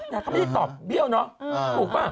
นางก็ตอบเบี้ยวเนาะ